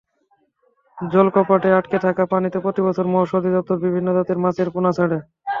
জলকপাটে আটকে থাকা পানিতে প্রতিবছর মৎস্য অধিদপ্তর বিভিন্ন জাতের মাছের পোনা ছাড়ে।